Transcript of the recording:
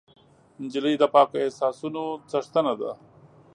نجلۍ د پاکو احساسونو څښتنه ده.